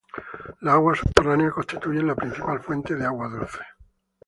Las aguas subterráneas constituyen la principal fuente de agua dulce.